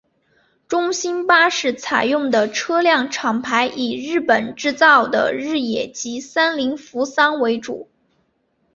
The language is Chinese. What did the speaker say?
中兴巴士采用的车辆厂牌以日本制造的日野及三菱扶桑为主。